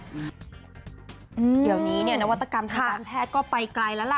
เดี๋ยวนี้เนี่ยนวัตกรรมทางการแพทย์ก็ไปไกลแล้วล่ะ